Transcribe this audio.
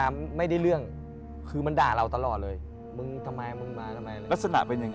รักษณะเป็นอย่างไร